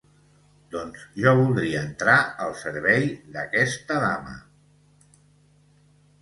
Doncs jo voldria entrar al servei d'aquesta dama.